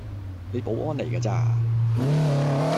你保安嚟架咋